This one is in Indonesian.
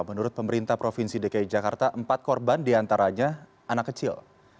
menurut pemerintah provinsi dki jakarta empat korban diantaranya anak kecil